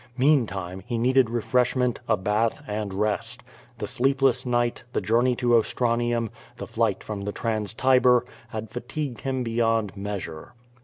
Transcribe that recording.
Meantime he needed refreshment, a bath, and rest. The sleepless night, the journey to Ostranium, the flight from the Trans Tiber, had fatigued him beyond measure.